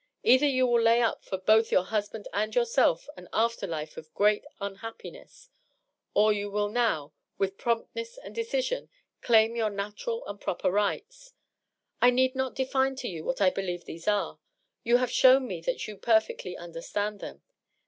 " Either you will lay up for both your husband and yourself an after life of great unhappiness, or you will now, with promptness and decision, claim your natural and proper rights. I need not define to you what I believe these are. You have shown me that you perfectly understand them.